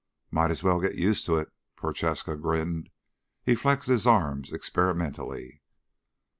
"Might as well get used to it." Prochaska grinned. He flexed his arms experimentally.